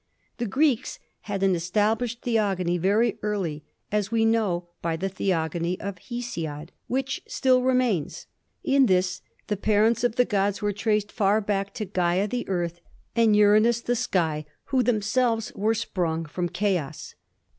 The Greeks had an established theogony very early, as we know by the "Theogony" of Hesiod, which still remains. In this the parents of the gods were traced far back, to Gaia, the earth, and Uranus, the sky, who themselves were sprung from Chaos.